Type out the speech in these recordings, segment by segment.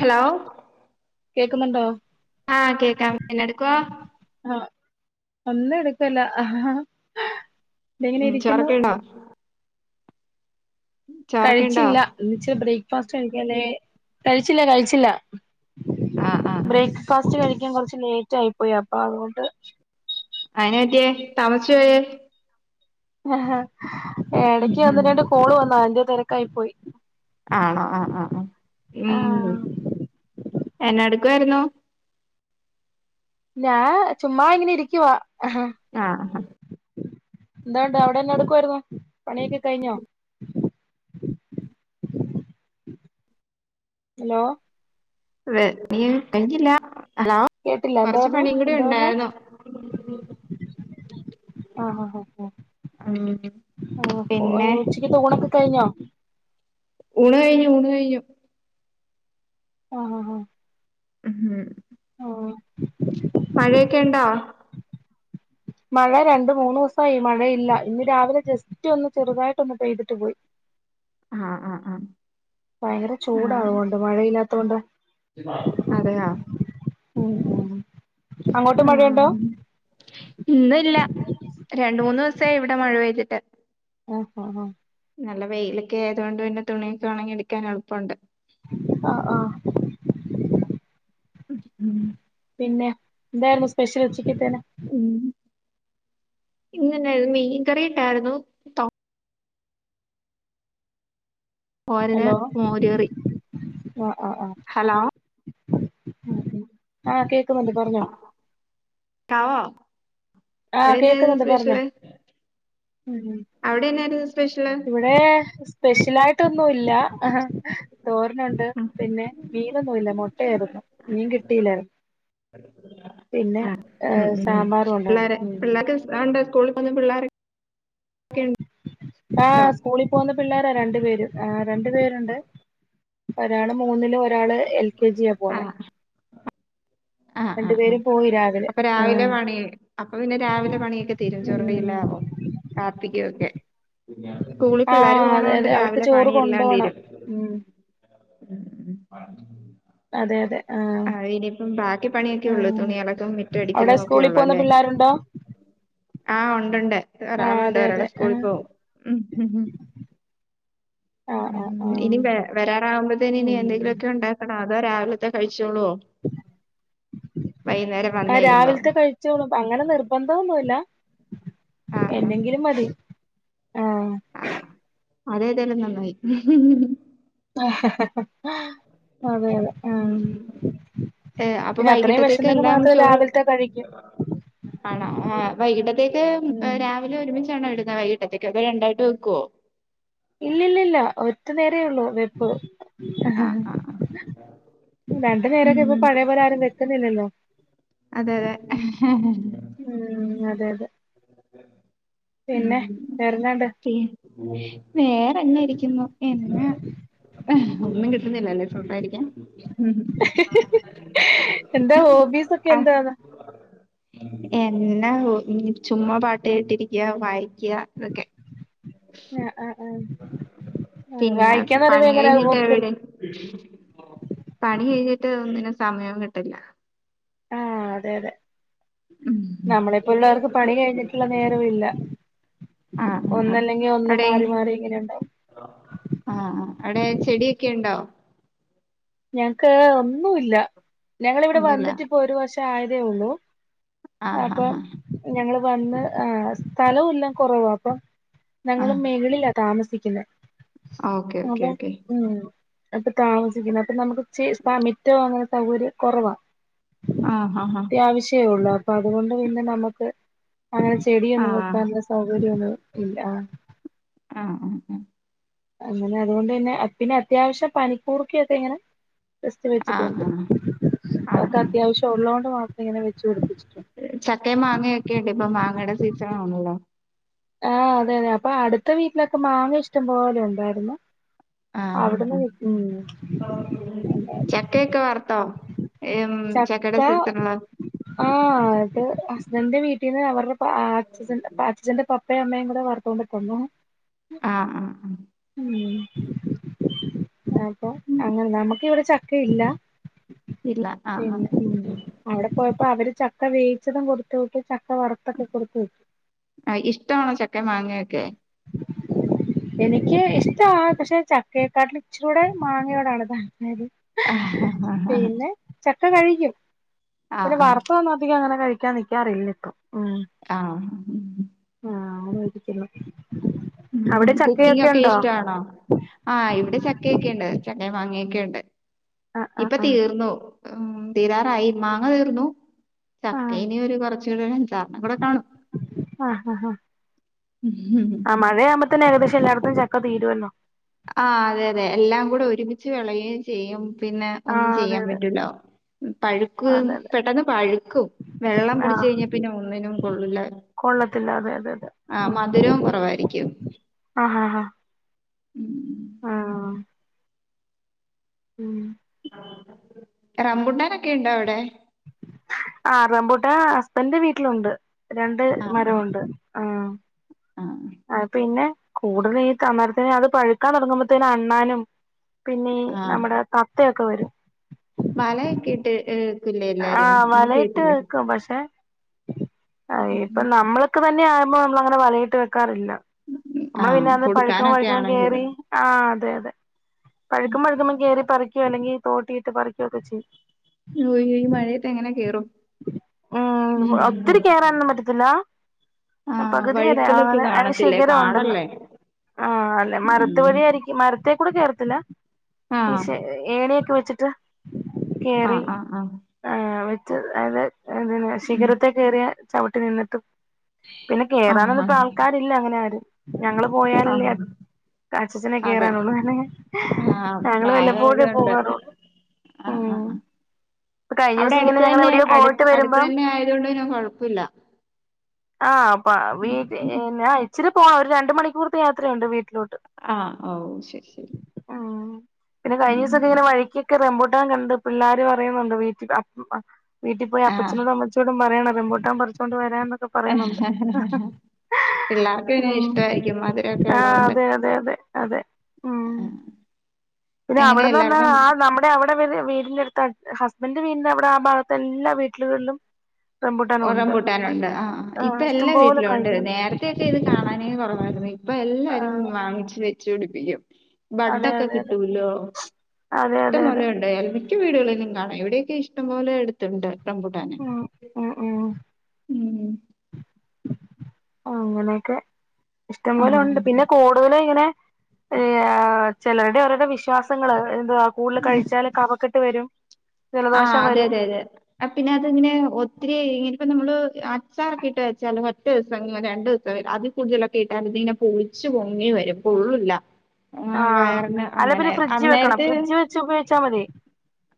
Hello കേക്കുന്നുണ്ടോ? ആഹ് കേക്കാം എന്നാ എടുക്കുവാ? ആഹ് ഒന്നും എടുക്കല്ല. ഇതെങ്ങനെ ഉം ഇരിക്കുന്നു ചോറൊക്കെ ഉണ്ടോ? ചോറൊക്കെ ഉണ്ടോ കഴിച്ചില്ല എന്നുവെച്ചാ ബ്രേക്ക്ഫാസ്റ്റ് കഴിക്കല് കഴിച്ചില്ല കഴിച്ചില്ല ആഹ് ആഹ് ബ്രേക്ക്ഫാസ്റ്റ് കഴിക്കാൻ കുറച്ച് ലേറ്റ് ആയി പോയി. അപ്പൊ അതുകൊണ്ട് അതെന്നാ പറ്റിയേ? താമസിച്ചു പോയേ. ഉം ഇടയ്ക്ക് ഉം ഒന്നുരണ്ട് കോള് വന്നു. അതിൻ്റെ തിരക്കായി പോയി. ആണോ ആ ആ ആഹ് ഉ ആഹ് എന്നെ എടുക്കുയിരുന്നു ഞാൻ ചുമ്മാ ഇങ്ങനെ ഇരിക്കുവാ ആ ആഹ് എന്താണ്ട അവിടെന്നെ എടുക്കുവമായിുന്നോ പണിയൊക്കെ കഴിഞ്ഞോ ഹലോ നീ കഴിഞ്ഞില്ല ഹലോ കേട്ടില്ല എന്താ കൊറച്ച് പറഞ്ഞേ പണിയും കൂടി എന്താ പറഞ്ഞ ഉണ്ടായിരുന്നു ആ ആ ഉം ആഹ് ആ പിന്നെ ഉച്ചക്ക് തഊണക്ക കഴിഞ്ഞോ ഊണ് കഴിഞ്ഞു ഊണ് കഴിഞ്ഞു ആഹ് ഉം ആഹ് മഴയൊക്കെ ഉണ്ടോ മഴ രണ്ട് മൂന്ന് ദിവസമായി മഴയില്ല ഇന്ന് രാവിലെ ജസ്റ്റ് ഒന്ന് ചെറുതായിട്ടൊന്ന് പെയ്തിട്ട് പോയി ആഹ് ആഹ് ആഹ് ഭയങ്കര ആഹ് ചൂടാവുകൊണ്ട് മഴയില്ലാത്ത കൊണ്ട് അതെയോ ഓഹ് ആഹ് ഇന്നല്ല രണ്ട മൂന്ന് ദിവസമായി ഇവിടെ മഴ പെയ്തിട്ട് ഓഹോ ഓ നല്ല വെയിലൊക്കെ ആയതുകൊണ്ട് പിന്നെ തുണിയൊക്കെ ഉണങ്ങി എടുാൻ എളുപ്പമുണ്ട് ആ ആഹ് ഉം പിന്നെ എന്തായിരുന്നു സ്പെഷ്യല് ഉച്ചക്കത്തേന് ഉം ഇന്നെന്ന മീൻ കറിട്ടായിരുന്നു തോരന് ഹലോ മോരു കറി ആഹ് ആഹ് ആഹ് ഹലോ [unintelligible] ആഹ് കേക്കുന്നുണ്ട് പറഞ്ഞോ [unintelligible] ആഹ് അവിടെന്നായിരുന്നു കേക്കുന്നുണ്ട് പറഞ്ഞോ സ്പെഷ്യല് അവിടെന്നായിരുന്നു സ്പെഷ്യല് ഇവിടേ സ്പെഷ്യൽ ആയിട്ടൊന്നുല്ല ആ തോരനുണ്ട് ആഹ് പിന്നെ മീനൊന്നുല്ല മൊട്ടയായിരുന്നു മീൻ കിട്ടിയില്ല പിന്നെ ആഹ് ഉം ഏഹ് ഉം ഉം സാമ്പാറും പിള്ളേരെ ഒണ്ടായിരുന്നു പിള്ളേർക്ക് സ് ആ ഇണ്ട് സ്കൂൾ പോവുന്ന പിള്ളാര് ഉണ്ടോ ആഹ് സ്കൂളിൽ പോവുന്ന പിള്ളേര രണ്ടു പേര് ആഹ് രണ്ടു പേരുണ്ട് ഒരാള് മൂന്നിലും ഒരാള് എൽ കെ ജിയ പോവുന്നെ ആഹ് ആഹ് ആഹ് ആഹ് രാവിലെ അപ്പൊ രാവിലെ ആഹ് പണി അപ്പൊ പിന്നെ രാവിലെ പണിയൊക്കെ തീരും ചോറുടി എല്ലാം ആവും കാപ്പിക്ക് ഒക്കെ സ്കൂളി പിള്ളേര് ആഹ് പോണ അതെ കൊണ്ട് അതെ അവർക്ക് രാവിലെ ചോറ് പണിയെല്ലാം കൊണ്ടോണം തീരും ഉം [inaudible] അതെ അതെ ആഹ് ഇനിയിപ്പം ബാക്കി പണിയൊക്കെ ഉള്ളു ആഹ് തുണി അലക്കും മിറ്റ അവിടെ അടിക്കലും ഒക്കെ സ്കൂളിൽ ഒള്ളു പോകുന്ന അല്ലേ പിള്ളേരുണ്ടോ ആഹ് ഒണ്ട്ണ്ട് ആഹ് ഒരാളുണ്ട് അതെ ഒരാള് അതെ സ്കൂളിൽ ആഹ് പോവും ആഹ് ആഹ് ഉം ഇനി ആഹ് വ വരാറാകുമ്പോത്തേന് ഇനി ഉം എന്തെങ്കിലൊക്കെ ഉണ്ടാക്കണോ അതോ രാവിലത്തെ കഴിച്ചോളോ വന്ന് ആഹ് കഴിയുമ്പോ രാവിലത്തെ കഴി ച്ചോളും അങ്ങനെ നിർബന്ധം ഒന്നുല്ല ആഹ് ആഹ് എന്നെങ്കിലും മതി ആഹ് ആഹ് അത് ഏതായാലും നന്നായി അതെ അതെ ഉം ആഹ് ഉം ഏഹ് അപ്പൊ പിന്നെ അത്രയും വൈകിട്ടത്തേക്ക് വിശന്നെങ്കിൽ എന്താണ് മാത്രം ചോറ് രാവിലത്തെ കഴിക്കും ആണോ ആഹ് വൈകിട്ടത്തേക്ക് ഉം രാ അരി ഒരുമിച്ചാണോ ഇടുന്നെ വൈകിട്ടത്തേക്ക് അതോ രണ്ടായിട്ട് വെക്കുവോ ഇല്ലില്ല ഇല്ല ഒറ്റ നേരേ ഉള്ളൂ വെപ്പ് ആഹ് ആഹ് ആഹ് രണ്ടു നേരൊക്കെ ഇപ്പ ഉം പഴയ പോലെ ആരും വെക്കുന്നില്ലല്ലോ അതെ അതെ ഉം അതെ അതെ പിന്നെ വേറെ എന്നാ ഉണ്ട്‌ വേറെന്നാ ഇരിക്കുന്നു എന്നാ ഒന്നും കിട്ടുന്നില്ലല്ലെ സംസാരിക്കാൻ എന്താ ഹോബീസൊക്കെ എന്താ ആഹ് എന്നാ ഹോ ചുമ്മാ പാട്ട് കേട്ടിരിക്ക വായിക്ക ഇതൊക്കെ ആഹ് ആഹ് ആഹ് പിന്നെ പണി എങ്ങനെ കഴിഞ്ഞിട്ട് ബുക്ക് എടു എവിടെ പണി കഴിഞ്ഞിട്ട് ഒന്നിനും സമയോം കിട്ടില്ല ആഹ് അതെ അതെ നമ്മളെപ്പോലുള്ളവർക്ക് പണി കഴിഞ്ഞിട്ടുള്ള നേരവില്ല ആഹ് ഒന്നല്ലെങ്കി ഒന്ന് അവിടെ മാറി മാറി ഇങ്ങനെ ഉണ്ടാവും ആഹ് ആഹ് അവിടെ ചെടിയൊക്കെ ഉണ്ടോ ഞങ്ങക്ക് ഒന്നുല്ല ഞങ്ങളിവിടെ ഒന്നുമില്ല വന്നിട്ട് ഇപ്പോ ഒരു വർഷായതേ ഉള്ളൂ ആഹ് അപ്പം ആഹ് ഞങ്ങള് വന്ന് ആഹ് സ്ഥലവും ഇല്ല കുറവാ അപ്പം ഞങ്ങള് ആഹ് മെകളിലാ താമസിക്കുന്നത് ഓക്കെ ഓക്കെ അപ്പം ഓക്കെ ഉം ഇപ്പൊ താമസിക്കുന്നെ അപ്പൊ നമുക്ക് ച്ചിരി മിറ്റവും അങ്ങനെ സൗകര്യം കുറവ്വാ ആഹ് ഹാ ഹാ അത്യാവശ്യേള്ളൂ അപ്പോ അതുകൊണ്ട് പിന്നെ നമുക്ക് അങ്ങനെ ചെടിയൊന്നും ആഹ് വെക്കാനുള്ള സൗകര്യന്നും ഇല്ല ആഹ് ആഹ് ആ അ അങ്ങനെ അതുകൊണ്ട് പിന്നെ പിന്നെ അത്യാവശ്യം പനിക്കൂർക്കയൊക്കെ ഇങ്ങനെ ജെസ്റ്റ് വെച്ചിട്ടുണ്ട് ആഹ് ആഹ് അഹക്കെ ആഹ് അത്യാവശ്യമുള്ളോണ്ട് മാത്രം ഇങ്ങനെ വെച്ചു പിടിപ്പിച്ചിട്ടുണ്ട്. ചക്കയും മാങ്ങയൊക്കെയുണ്ട് ഇപ്പൊ മാങ്ങയുടെ സീസണുമാണല്ലോ. ആഹ് അതെയതെ അപ്പൊ അടുത്ത വീട്ടിലൊക്കെ മാങ്ങ ഇഷ്ടം പോലെ ഉണ്ടായിരുന്നു. അവിടുന്ന് ആഹ് കി ഉം ചക്കയൊക്കെ വറുത്തോ? ഏം ചക്ക ചക്കയുടെ സീസണിൽ ആഹ് അത് ഹസ്ബന്റെ വീട്ടിന്ന് അവരുടെ ആച്ച് അപ്പോ അച്ചന്റെ പ അപ്പയും അമ്മയും കൂടെ വർത്തുകൊണ്ട് തന്നു ആഹ് ആഹ് മ് ഇതായപ്പോ ആഹ് അങ്ങനെ നമ്മുക്ക് ഇവിടെ ചക്കയില്ല ഇല്ല ആഹ് ആഹ് പിന്നെ ആഹ് ഉം അവിടെ പോയപ്പോ അവര് ചക്ക വേവിച്ചതും കൊടുത്തു വിട്ടു ചക്ക വറുത്തതും കൊടുത്തു വിട്ടു. ആഹ് ഇഷ്ടമാണോ ചക്കയും മാങ്ങയൊക്കെ? എനിക്ക് ഇഷ്ടാണ് പക്ഷെ ചക്കയെക്കാട്ടിലും ഇച്ചരികൂടെ മാങ്ങയോടാണ് താൽപ്പര്യം. ആഹ് ആഹ് പിന്നെ ചക്ക കഴിക്കും ആഹ് പിന്നെ ആഹ് വറുത്തതൊന്നും അധികം അങ്ങനെ കഴിക്കാൻ നി നിക്കാറില്ലിപ്പോ ആഹ് ആവു ഇരിക്കുന്നു അവിടെ ചക്കയൊക്കെ കുക്കിങ്ങൊക്കെ ഉണ്ടോ ഇഷ്ടമാണോ? ആഹ് ഇവിടെ ചക്കയൊക്കെയുണ്ട് ചക്കയും മാങ്ങയൊക്കെയുണ്ട്. ആഹ് ഇപ്പൊ ആഹ് ആഹ് തീർന്നു ഉം തീരാറായി മാങ്ങ തീർന്നു. ആഹ് ചക്കയിനി ഒരു കുറച്ചു കൂടെ ഒരഞ്ചാറെണ്ണം കൂടെ കാണും ആഹ് ഹാ ഹും ആഹ് മഴയാവു ത്തിന് ഏകദേശം എല്ലായിടത്തും ചക്ക തീരുല്ലോ. ആ അതെ അതെ എല്ലാം കൂടെ ഒരുമിച്ച് വിളയയും ചെയ്യും പിന്നെ ഒന്നും ആഹ് അതെ ചെയ്യാൻ പറ്റൂല്ല. പഴുക്ക്‌ അതെ അതെ അതെ പെട്ടെന്ന് പഴുക്കും വെള്ളം പിടിച്ച് ആഹ് കഴിഞ്ഞ പിന്നെ ഒന്നിനും കൊള്ളൂല്ല. കൊള്ളത്തില്ല അതെ അതെ അതെ ആഹ് മധുരം കുറവായിരിക്കും ആഹ ഹ ഹ ഉം ഉം റമ്പുണ്ടാനൊക്കെ ഇണ്ടോ അവിടെ? ആ റംബൂട്ടാൻ ഹസ്ബൻന്റെ വീട്ടിലുണ്ട് രണ്ട് മരമുണ്ട് ആഹ് ആഹ് ആ പിന്നെ കൂടുതൽ ഈ തമരത്തിന് അത് പഴുക്കാൻ തുടങ്ങുമ്പോത്തിനും അണ്ണാനും പിന്നെ ആ നമ്മുടെ തത്തയൊക്കെ വരും വലയൊക്കെട്ട് ഏഹ് ആഹ് വലയിട്ട് വെക്കും പക്ഷേ അ ഇപ്പൊ നമ്മള്ക്ക്‌ തന്നെ ആയുമ്പോ നമ്മൾ അങ്ങനെ വലയിട്ട് വെക്കാറില്ല ഉം, ആ നമ്മള് പിന്നെ അന്ന് പഴുക്ക്പ കൊടുക്കാനൊക്കെ പഴുക്ക്പ ആണെങ്കിലും കേറി ആ അതെ അതെ പഴുക്കും പഴുക്കുമ്പം കയറി പറിക്കുവോ അല്ലെങ്കിൽ തോട്ടിയിട്ട് പറിക്കോ ഒക്കെ ചെയ്യും. [unintelligible] ഈ മഴയത്ത് എങ്ങനെ കയറും. ഉം ഒത്തിരി കയറാനൊന്നും പറ്റത്തില്ല ആ പകുതി വരെ വഴുക്കലൊക്കെ അങ്ങനെ അതിന് കാണത്തില്ലേ ശീഖരം ഉണ്ടല്ലോ പാടല്ലേ ആ അല്ലെ മരത്ത് ഉം. വഴിയായിരിക്കും. മരത്തക്കൂടെ കേറത്തില്ല ആ ഏണിയൊക്കെ വെച്ചിട്ട് കേറി ആഹ് ആഹ് വെച്ചത് അതെ എങ്ങനെ ഉം. ശീഖരത്തെ കയറിയ ചവിട്ടി നിന്നിട്ടും പിന്നെ ആഹ് കേറാനൊന്നും ഇപ്പോ ആഹ് ആൾക്കാരില്ല അങ്ങനെ ആരും ഞങ്ങള് പോയാലല്ലേ ആഹ് കാച്ചച്ചനെ അതെ കേയറാനുള്ളു അന ആഹ് ഞങ്ങള് പ്രായായത് വല്ലപ്പോഴേ കൊണ്ട് പോകാറുള്ളു ആഹ് ആഹ് ആഹ് ഇപ്പ കഴിഞ്ഞ അവിടെ ദിവസം ഇങ്ങനെ അടുത്ത ഞങ്ങള് തന്നെ എവിടെയോ പോയിട്ട് അടുത്ത വരുമ്പം തന്നെ ആയത് കൊണ്ട് ന്ന കൊഴപ്പില്ല ആഹ് അപ്പ വീട്ടെ ആയി ഇച്ചിരി പോണം ഒരു രണ്ട് മണിക്കൂർത്തെ യാത്രയുണ്ട് വീട്ടിലോട്ട് ആഹ് ഓ ശരി ശരി ആഹ് പിന്നെ കഴിഞ്ഞ ദിവസോക്കെ ഉം ഇങ്ങനെ മഴക്ക് റംബൂട്ടാൻ കണ്ട് പിള്ളേർ പറയുന്നുണ്ട് വീട്ടിൽ വീട്ടീ പോയി ആഹ് അപ്പച്ചനോട് അമ്മച്ചിയോടു ചച്ചോടും പറയണം റംമ്പൂട്ടൻ പറിച്ചോണ്ട് വരാ എന്നൊക്കെ പറയുന്നുണ്ട് പിള്ളേർക്ക് പിന്നെ ഉം ഇഷ്ടമായിരിക്കും മധുരമൊക്കെ ആഹ് ഉള്ളോണ്ട് അതെ അതെ അതെ അതെ ഉം ആഹ് പിന്നെ എങ്ങനെ അവിടെന്ന പറഞ്ഞ എല്ലാർക്കും ആഹ് നമ്മ അവിടെ അവിടെ വ വീടിന്റെടുത്ത് ഹസ്ബൻഡ് വീടിന്റെ അവിടെ ആഹ് ഭാഗത്ത് എല്ലാ വീട്ടിലുകളിലും റംബൂട്ടാനും ഉണ്ട് റംബൂട്ടാനുണ്ട് ആഹ് ഇപ്പൊ എല്ലാ ഇഷ്ടംപോലെ വീട്ടിലും ഉണ്ട് കായ്ക്കുന്നുണ്ട് നേരത്തെ ഇത് കാണാനേ കുറവായിരുന്നു ഇപ്പൊ എല്ലാരും ആഹ് വാങ്ങിച്ച് വെച്ചു പിടിപ്പിക്കും അതെ ബഡൊക്കെ അതെ അതെ കിട്ടൂലോ അതെ അതെ അതെ ഇഷ്ടംപോലെുണ്ടോ അൽ വീടുകളിലും കാണ എവിടെയൊക്കെ ഇഷ്ടപോലെ എടുത്തണ്ട് റംബൂട്ടാനെ ഉം ഉം ഉം ഉം അങ്ങനെയൊക്കെ ഇഷ്ടം പോലെ ഉണ്ട് ആഹ് പിന്നെ കൂടുതല് ഇങ്ങനെ ചിലരുടെ ഓരുടെ വിശ്വാസങ്ങള് എന്തവാ കൂടുതൽ കഴിച്ചാല് കഫക്കെട്ട് വരും ആഹ് ജലദോഷം അതെ വരും അതെ അതെ പിന്നെ അതിങ്ങനെ ഒത്തിരി ഇങ്ങെ ഇപ്പ നമ്മള് അച്ചാറൊക്കിയിട്ട് വെച്ചാലോ ഒറ്റ ദിവസം രണ്ട് ദിവസം വ അത് കൂടുതലൊക്കെ ഇട്ടാതിങ്ങനെ പുളിച്ച് പൊങ്ങി വരും കൊള്ളൂല്ല ആഹ് അല്ലേ പിന്നെ ഫ്രിഡ്ജ് വെക്കണം അന്നേരത്തെ ഫ്രിഡ്ജ് വെച്ച് ഉപയോഗിച്ചാൽ മതി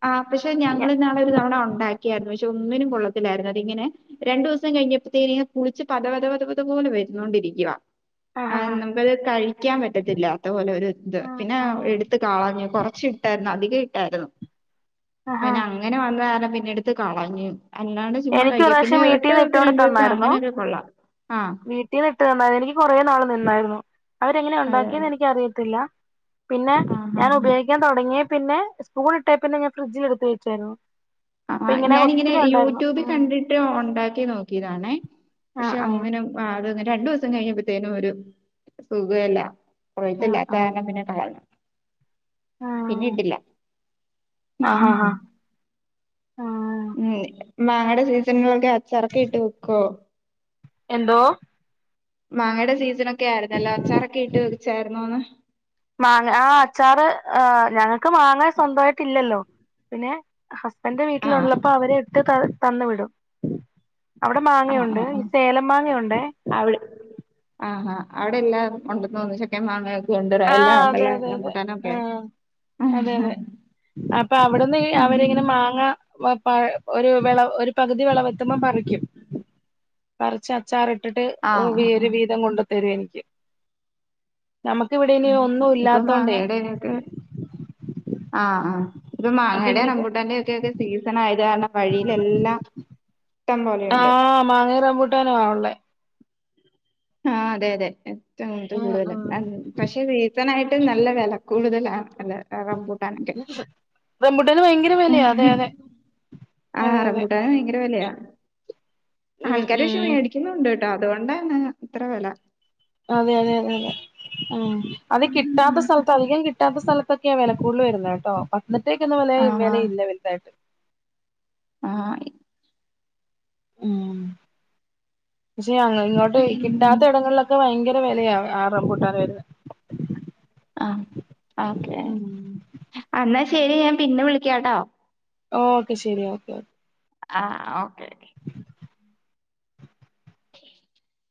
ആ പക്ഷെ ഞ ഞങ്ങൾ ഇന്നാളെ ഒരു തവണ ഉണ്ടാക്കിയായിരുന്നു പക്ഷെ ഒന്നിനും കൊള്ളത്തില്ലായിരുന്നു അതിങ്ങനെ രണ്ടു ദിവസം കഴിഞ്ഞപ്പോഴത്തേ പുളിച്ച് പദ പദ പത പത പോലെ വരുന്നോണ്ടിരിക്കുവ ആഹ് ആഹ് നമ്മൾ കഴിക്കാൻ പറ്റത്തില്ല അത്പോലെ ഒരു ഇത്. ആഹ് പിന്നെ എടുത്ത് ആഹ് കളഞ്ഞു കുറച്ച്. ട്ടായിരുന്നു അധികം ഇട്ടായിരുന്നു ആഹാ അത്പിന്നെ അങ്ങനെ വന്ന കാരണം പിന്നെ എടുത്ത് കളഞ്ഞ്. അല്ലാണ്ട് ചുമ്മാ എനിക്ക് ഒരു കഴിക്ക പിന്നെ പ്രാവശ്യം ഒറ്റ വീട്ടീന്ന് ദിവസം ഇട്ടോണ്ട് രണ്ടു ദിവസം അങ്ങനെ ഒക്കെ കൊള്ളാം ആഹ് ങ്ങനെ ഇട്ട്തന്നെ? എനിക്ക് കുറെേ നാള് നിന്നായിരുന്നു അവരെങ്ങനെ അതെ ഉണ്ടാക്കിന്ന് എനക്ക് അറിയത്തില്ല. പിന്നെ ആ ഹാ ഞാൻ ഹാ ഉപയോഗിക്കാൻ തുടങ്ങിയ പിന്നെ സ്പൂൺ ഇട്ടേ പിന്നെ ഞാൻ ഫ്രിഡ്ജിൽ എടുത്ത് വച്ചായിരുന്നു. ആഹ് ഞാനിങ്ങനെ യൂട്യൂബിൽ കണ്ടിട്ട് ഉണ്ടാക്കി നോക്കിയതാണെ, ആഹ് പക്ഷെ ആഹ് ഒന്നിനും ഒരുപാട് രണ്ടു ദിവസം കഴിഞ്ഞപ്പോത്തേനും ഒരു സുഖല്ല. ആഹ് കൊള്ളത്തില്ലാത്ത കാരണം പിന്നെ കളഞ്ഞു പിന്നെ ഇട്ടില്ല ആഹാ ഹാ ഉം മാങ്ങയുടെ സീസണുകളൊക്കെ അച്ചറക്കെ ഇട്ട് വെക്കോ? എന്തോ മാങ്ങയുടെ സീസൺക്കെ ആയിരുന്നല്ലോ അച്ചാറൊക്കെ ഇട്ട് വച്ചായിരുന്നൊന്ന്? മാങ്ങ ആഹ് അച്ചാറ് ആഹ് ഞങ്ങൾക്ക് മാങ്ങ സ്വന്തമായിട്ടില്ലല്ലോ പിന്നെ ഹസ്ബൻഡ ആഹ് വീട്ടിലുള്ളപ്പോ അവരെ എടുത്ത് ത തന്ന് വിടും. അവിടെ മാങ്ങയുണ്ട്, ഈ സേലം മാങ്ങയുണ്ടേ. അവള് ആഹാ അവടെ എല്ലാരും ഉണ്ടെന്ന് തോന്നുന്നു ലെ ക്ക മാങ്ങൊക്കെ ഉണ്ട് ആ എല്ലാം അതെ ഉണ്ടല്ലും അതെ അതെ റംബൂട്ടാനൊക്കെ? ആ ഉം അതെ അതെ അപ്പൊ അവിടുന്ന് അവരിങ്ങനെ മാങ്ങ ഇപ്പൊ ഒരു വിള ഒരു പകുതി വിളവത്തുമ്പം പറിക്കും. പറിച്ച് അച്ചാറിട്ടിട്ട് ആഹ് ആഹ് വേര് ആഹ് വീതം കൊണ്ട് തരും എനിക്ക്. നമുക്ക് ഇവിടെ ഇനി ഉം ഒന്നും ഇപ്പൊ ഇല്ലാത്തോണ്ടേ മാങ്ങയുടെ ഒരിത് ആഹ് ആഹ് ഇപ്പൊ അപ്പൊ മാങ്ങയുടെ ഇങ്ങനെ റമ്പൂട്ടന്റെ ഒക്കെ സീസൺ ആയത് കാരണം വഴിയിലെല്ലാം ഇഷ്ടംപോലെയുണ്ട്. മാങ്ങയുംറമ്പൂട്ടാനും ഒള്ളേ. ആഹ് അതെ അതെ. ആ ഉം കൂടുതല ഉം പക്ഷെ സീസൺ ആയിട്ടും നല്ല വെല കൂടുതലാ റംമ്പൂട്ടാന്. റമ്പൂട്ടാന് ഭയങ്കര വിലയാ അതെ അതെ ആ അതെ അതെ റമ്പൂട്ടാന് ഭയങ്കര വെലയാ. ഉം ആൾക്കാര് പക്ഷെ ഉം മേടിക്കുന്നുണ്ട്ട്ടോ അതുകൊണ്ടാണ് ഇത്ര വെല. അതെ അതെ അതെ അതെ ഉം അത് കിട്ടാത്ത സ്ഥലത്ത് അധികം കിട്ടാത്ത സ്ഥലത്ത് ത്തൊക്കെയ വെല കൂടുതൽ വര് ന്നേട്ടോ ആ [unintelligible] വെ ലയില്ല വൽതായിട്ട്. ആഹ്. ഉം പക്ഷെ അങ്ങ ഇങ്ങോട്ട് പിന്നെ കിട്ടാത്ത ഇടങ്ങൾലൊക്കെ ഇപ്പൊ ഭയങ്കര വെലയ ആ റമ്പൂട്ടാന് വര്ന്നേ. ആ ഓക്കേ ആ ഇന്നാ ശെരി ഞാൻ പിന്നെ വിളിക്കാട്ടോ. ഓക്കെ ശെരി ഓക്കെ. ആ ഓക്കെ.